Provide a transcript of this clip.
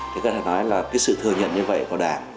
thì có thể nói là cái sự thừa nhận như vậy của đảng